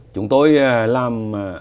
chúng tôi làm